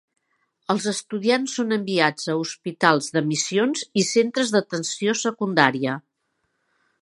Els estudiants són enviats a hospitals de missions i centres d'atenció secundària.